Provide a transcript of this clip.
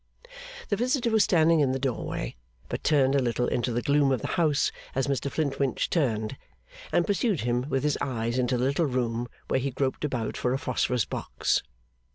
The visitor was standing in the doorway, but turned a little into the gloom of the house as Mr Flintwinch turned, and pursued him with his eyes into the little room, where he groped about for a phosphorus box.